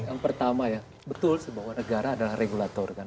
yang pertama ya betul sebuah negara adalah regulator